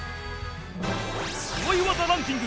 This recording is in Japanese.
すごい技ランキング